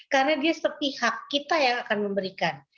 karena dia setiap kita yang akan memberikan